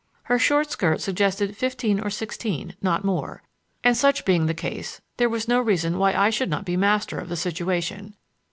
Her short skirt suggested fifteen or sixteen—not more—and such being the case there was no reason why I should not be master of the situation.